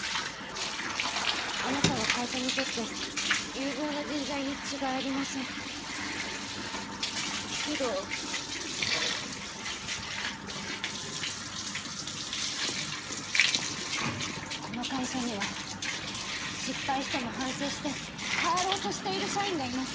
あなたは会社にとって有望な人材に違いありませんけどこの会社には失敗しても反省して変わろうとしている社員がいます